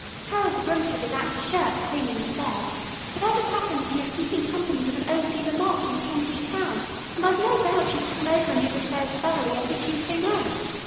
Harold the Broomstick is apt to shirk cleaning the stairs, but as it happens, he is keeping company with an O Cedar Mop in Kentish Town, and I've no doubt she would come over and do the stairs thoroughly every Tuesday night.